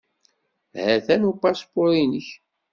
Atan upaspuṛ-nnek.